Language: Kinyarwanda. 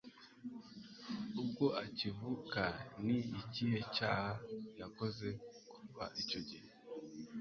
ubwo akivuka ni ikihe cyaha yakoze kuva icyo gihe